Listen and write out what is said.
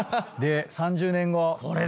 ３０年後。